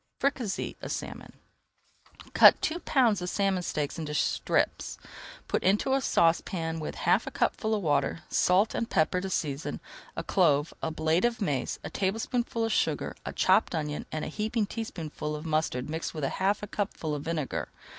FRICASSEE OF SALMON Cut two pounds of salmon steaks into strips. Put into a saucepan with half a cupful of water, salt and pepper to season, a clove, a blade of mace, a tablespoonful of sugar, a chopped onion, and a heaping teaspoonful of mustard mixed with half a cupful of vinegar.